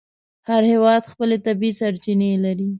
هر هېواد خپلې طبیعي سرچینې لري.